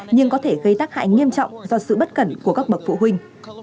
nhưng có thể gây tác hại nghiêm trọng do sự bất cẩn của các bậc phụ huynh